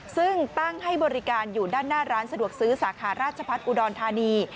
ซึ่งตั้งให้บริการอยู่ด้านหน้าร้านสะดวกซื้อสาขาราชพัฒน์อุดรธานี